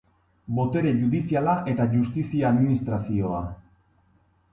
Botere judiziala eta justizia administrazioa.